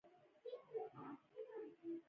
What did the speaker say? فرهنګ عمید د متل کلمه راخیستې خو عربي نه ښکاري